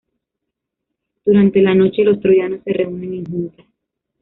Durante la noche, los troyanos se reúnen en junta.